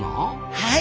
はい。